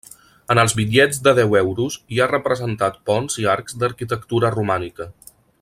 En els bitllets de deu euros hi ha representat ponts i arcs d'arquitectura romànica.